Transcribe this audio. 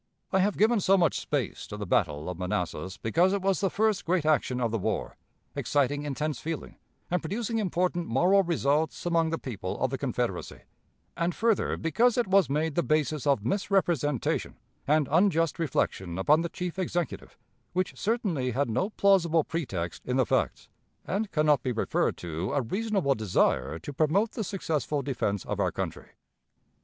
I have given so much space to the battle of Manassas because it was the first great action of the war, exciting intense feeling, and producing important moral results among the people of the Confederacy; and further, because it was made the basis of misrepresentation, and unjust reflection upon the chief Executive, which certainly had no plausible pretext in the facts, and can not be referred to a reasonable desire to promote the successful defense of our country.